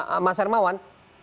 oke mas hermawan